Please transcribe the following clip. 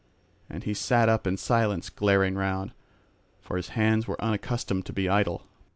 And he sat up in silence glaring round; for his hands were unaccustomed to be idle.